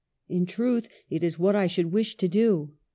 In truth it is what I should wish to do.